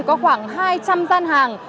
có khoảng hai trăm linh gian hàng